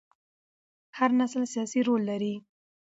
هر نسل سیاسي رول لري